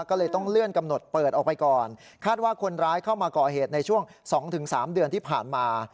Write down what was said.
ก็เลยต้องเลื่อนกำหนดเปิดออกไปก่อนคาดว่าคนร้ายเข้ามาก่อเหตุในช่วง๒๓เดือนที่ผ่านมา